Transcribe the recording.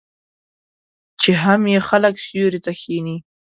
چې هم یې خلک سیوري ته کښیني.